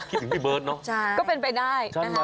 คิดถึงพี่เบิร์ตเนอะก็เป็นไปได้นะคะ